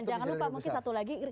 dan jangan lupa mungkin satu lagi